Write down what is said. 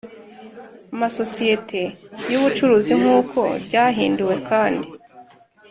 amasosiyeti y ubucuruzi nk uko ryahinduwe kandi